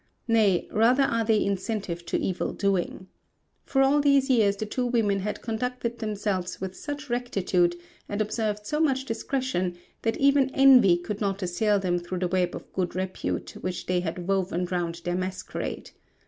Nay, rather are they incentive to evil doing. For all these years the two young women had conducted themselves with such rectitude, and observed so much discretion, that even envy could not assail them through the web of good repute which they had woven round their masquerade.